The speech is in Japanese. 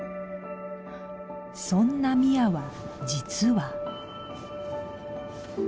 そんな深愛は実は